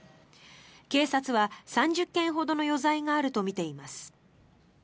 警察は３０件ほどの余罪があるとみています。